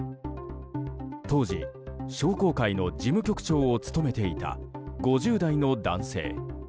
当時、商工会の事務局長を務めていた５０代の男性。